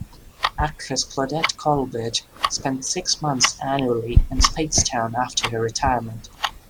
Actress Claudette Colbert spent six months annually in Speightstown after her retirement.